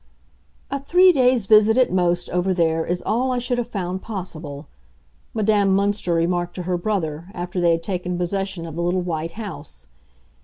"A three days' visit at most, over there, is all I should have found possible," Madame Münster remarked to her brother, after they had taken possession of the little white house.